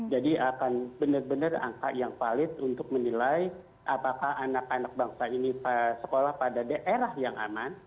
jadi akan benar benar angka yang valid untuk menilai apakah anak anak bangsa ini sekolah pada daerah yang aman